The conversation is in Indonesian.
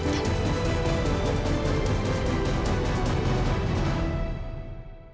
semuanya baik baik ya